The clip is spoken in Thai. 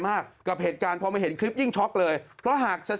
ไม่น่าถึงเดือนหรอกครับเขาไปมาครับ